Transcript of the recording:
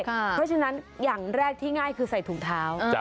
เพราะฉะนั้นอย่างแรกที่ง่ายคือใส่ถุงเท้า